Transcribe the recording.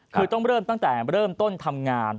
คือต้องเริ่มตั้งแต่เริ่มต้นทำงาน